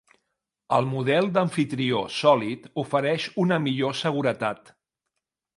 El model d'amfitrió sòlid ofereix una millor seguretat.